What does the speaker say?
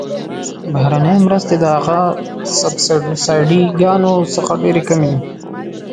بهرنۍ مرستې د هغه سبسایډي ګانو څخه ډیرې کمې دي.